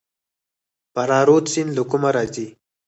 فراه رود سیند له کومه راځي؟